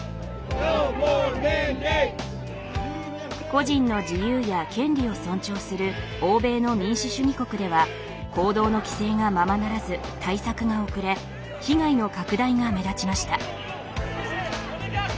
個人の自由や権利を尊重する欧米の民主主義国では行動の規制がままならず対策が遅れ被害の拡大が目立ちました。